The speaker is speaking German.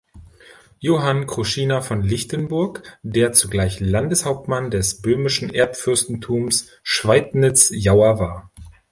Johann Kruschina von Lichtenburg, der zugleich Landeshauptmann des böhmischen Erbfürstentums Schweidnitz-Jauer war.